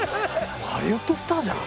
ハリウッドスターじゃん。